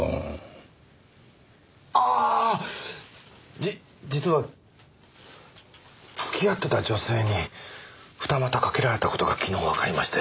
じ実は付き合ってた女性に二股かけられた事が昨日わかりまして。